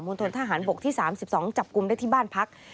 ณฑนทหารบกที่๓๒จับกลุ่มได้ที่บ้านพัก